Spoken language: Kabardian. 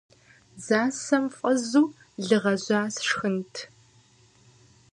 Дзасэм фӏэзу лы гъэжьа сшхынт!